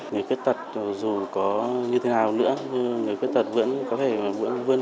người khuyết tật dù có như thế nào nữa người khuyết tật vẫn có thể vươn lên trong cuộc sống